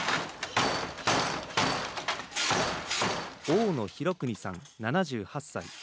大野浩邦さん、７８歳。